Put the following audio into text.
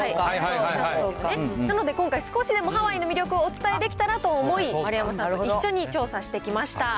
なので今回、少しでもハワイの魅力をお伝えできたらと思い、丸山さんと一緒に調査してきました。